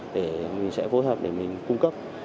để mình sẽ phối hợp để mình cung cấp